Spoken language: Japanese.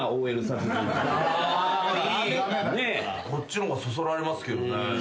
こっちの方がそそられますけどね。